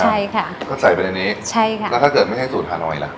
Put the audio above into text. ใช่ค่ะก็ใส่ไปในนี้ใช่ค่ะแล้วถ้าเกิดไม่ใช่สูตรฮานอยล่ะ